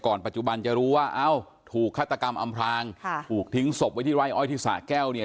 ปัจจุบันจะรู้ว่าเอ้าถูกฆาตกรรมอำพลางค่ะถูกทิ้งศพไว้ที่ไร่อ้อยที่สะแก้วเนี่ย